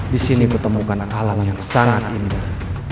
disini ketemukan alam yang sangat indah